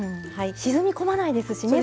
沈み込まないですしね